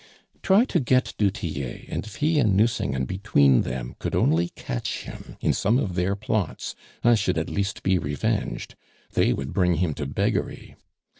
"Try to get du Tillet, and if he and Nucingen between them could only catch him in some of their plots, I should at least be revenged. They would bring him to beggary!